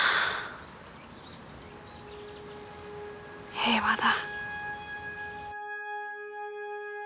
平和だ。